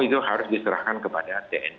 itu harus diserahkan kepada tni